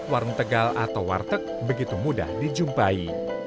warung tegal atau warteg begitu mudah dijumpai